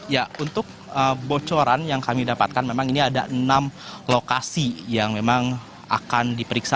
ya untuk bocoran yang kami dapatkan memang ini ada enam lokasi yang memang akan diperiksa